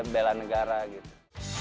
bela negara gitu